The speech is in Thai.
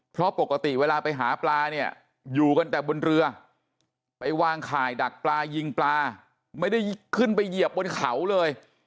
เพราะปกติเวลาไปหาปลาเนี่ยอยู่กันแต่บนเรือไปวางข่ายดักปลายิงปลาไม่ได้ขึ้นไปเหยียบบนเขาเลย